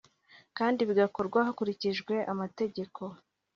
kandi bigakorwa hakurikijwe amategeko